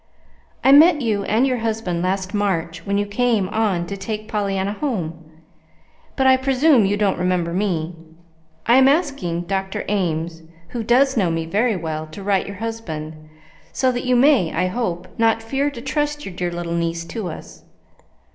"I met you and your husband last March when you came on to take Pollyanna home, but I presume you don't remember me. I am asking Dr. Ames (who does know me very well) to write your husband, so that you may (I hope) not fear to trust your dear little niece to us.